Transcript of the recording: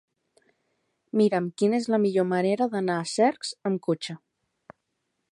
Mira'm quina és la millor manera d'anar a Cercs amb cotxe.